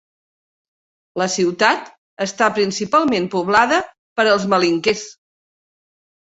La ciutat està principalment poblada per els malinkés.